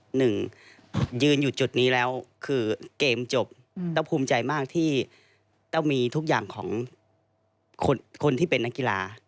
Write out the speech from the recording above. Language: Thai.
หนึ่งยืนอยู่จุดนี้แล้วคือเกมจบเต้าภูมิใจมากที่เต้ามีทุกอย่างของคนที่เป็นนักกีฬา